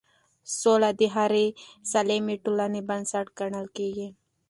سوله د هرې سالمې ټولنې بنسټ ګڼل کېږي